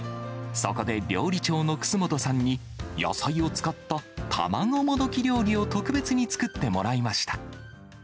そこで料理長の楠本さんに、野菜を使った卵もどき料理を特別に作ってもらいました。